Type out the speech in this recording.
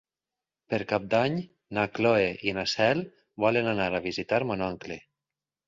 Per Cap d'Any na Cloè i na Cel volen anar a visitar mon oncle.